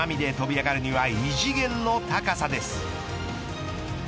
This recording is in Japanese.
生身でとび上がるには異次元の高さです。